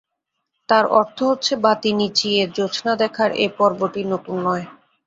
তার অর্থ হচ্ছে বাতি নিচিয়ে জোছনা দেখার এই পর্বটি নতুন নয়।